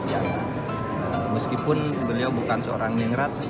yang meskipun beliau bukan seorang mengerat